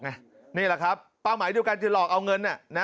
นี่แหละครับเป้าหมายดีกว่าการจะหลอกเอาเงิน